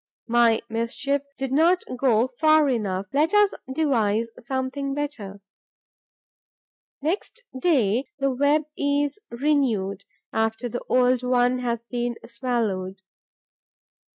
My mischief did not go far enough. Let us devise something better. Next day, the web is renewed, after the old one has been swallowed.